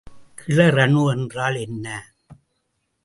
கிளரணு என்றால் என்ன?